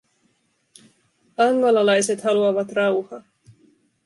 Angolalaiset haluavat rauhaa.